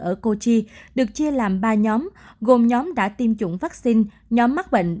ở kochi được chia làm ba nhóm gồm nhóm đã tiêm chủng vaccine nhóm mắc bệnh